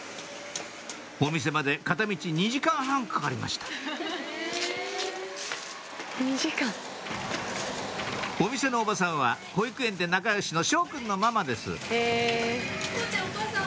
お店まで片道２時間半かかりましたお店のおばさんは保育園で仲良しのショウくんのママです